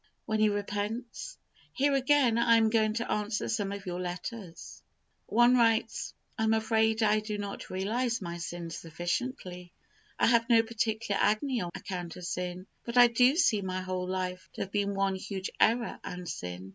When he repents? Here again I am going to answer some of your letters. One writes: "I am afraid I do not realize my sin sufficiently. I have no particular agony on account of sin, but I do see my whole life to have been one huge error and sin."